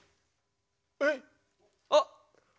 えっあっ。